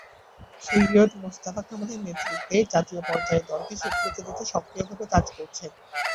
সৈয়দ মোস্তফা কামালের নেতৃত্বে জাতীয় পর্যায়ে দলকে স্বীকৃতি দিতে সক্রিয়ভাবে কাজ করছেন।